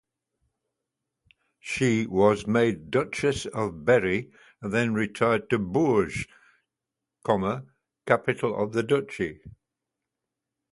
She was made Duchess of Berry and retired to Bourges, capital of the duchy.